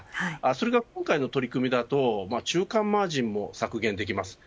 それが今回の取り組みだと中間マージンが削減できます。